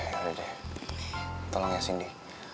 yaudah deh tolong ya cindy